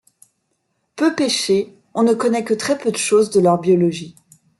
Peu pêchés, on ne connaît que très peu de choses de leur biologie.